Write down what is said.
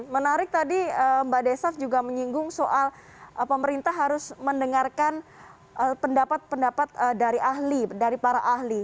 menarik tadi mbak desaf juga menyinggung soal pemerintah harus mendengarkan pendapat pendapat dari ahli dari para ahli